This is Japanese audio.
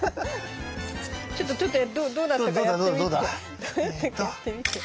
ちょっとちょっとどうだったかやってみて。